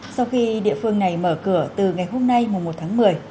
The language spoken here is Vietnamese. sau khi địa phương này mở cửa từ ngày hôm nay mùa một tháng một mươi